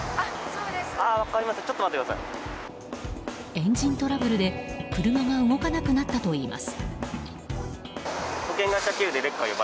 エンジントラブルで車が動かなくなったといいます。